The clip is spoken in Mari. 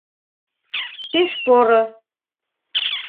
Пеш поро.